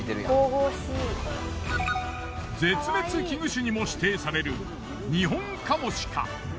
絶滅危惧種にも指定されるニホンカモシカ。